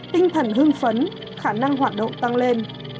tinh thần hưng phấn khả năng hoạt động tăng lên